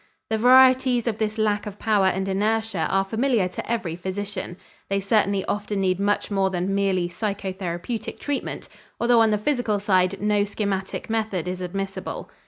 The varieties of this lack of power and inertia are familiar to every physician. They certainly often need much more than merely psychotherapeutic treatment, although on the physical side no schematic method is admissible.